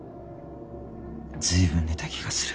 随分寝た気がする。